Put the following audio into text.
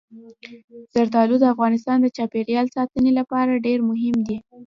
زردالو د افغانستان د چاپیریال ساتنې لپاره ډېر مهم دي.